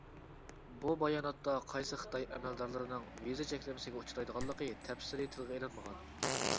بۇ باياناتتا قايسى خىتاي ئەمەلدارلىرىنىڭ ۋىزا چەكلىمىسىگە ئۇچرايدىغانلىقى تەپسىلىي تىلغا ئېلىنمىغان.